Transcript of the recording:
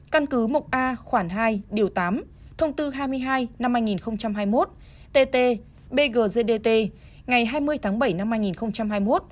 căn cứ một a khoảng hai điều tám thông tư hai mươi hai năm hai nghìn hai mươi một tt bggdtt ngày hai mươi tháng bảy năm hai nghìn hai mươi một